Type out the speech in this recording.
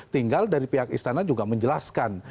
tinggal dari pihak istana juga menjelaskan